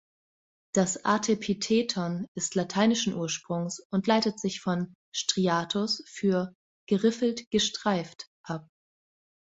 Das Artepitheton ist lateinischen Ursprungs und leitet sich von »striatus« für »geriffelt, gestreift« ab.